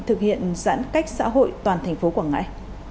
thực hiện giãn cách xã hội toàn thành phố quảng ngãi